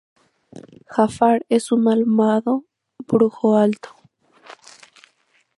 Jafar es un malvado brujo alto.